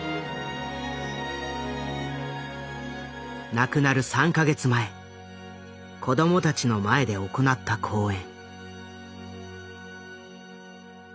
亡くなる３か月前子どもたちの前で行った講演。